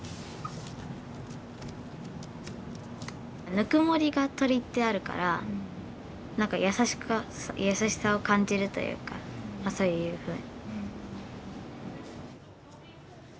ぬくもりが鳥ってあるから何か優しさを感じるというかまあそういうふうに。